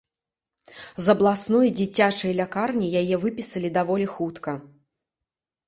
З абласной дзіцячай лякарні яе выпісалі даволі хутка.